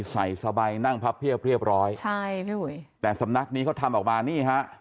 ใส่สบายนั่งพับเพียบเรียบร้อยใช่พี่อุ๋ยแต่สำนักนี้เขาทำออกมานี่ฮะ